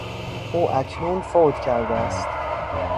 او اکنون فوت کرده است.